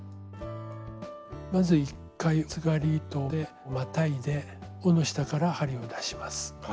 まず１回つがり糸でまたいで緒の下から針を出します。